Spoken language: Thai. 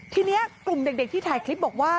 ทีนี้กลุ่มเด็กที่ถ่ายคลิปบอกว่า